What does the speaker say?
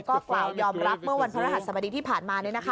ก็กล่าวยอมรับเมื่อวันพระรหัสสบดีที่ผ่านมา